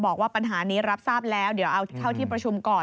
บอกว่าปัญหานี้รับทราบแล้วเดี๋ยวเอาเข้าที่ประชุมก่อน